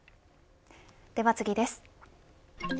では次です。